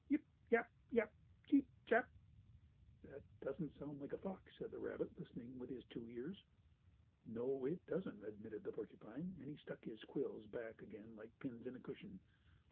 Yip! Yap! Yap! Cheep chap!" "That doesn't sound like a fox," said the rabbit, listening with his two ears. "No, it doesn't," admitted the porcupine, and he stuck his quills back again like pins in a cushion.